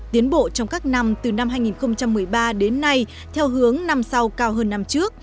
tiến bộ trong các năm từ năm hai nghìn một mươi ba đến nay theo hướng năm sau cao hơn năm trước